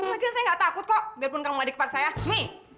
tapi saya gak takut kok biarpun kamu adik kepada saya nih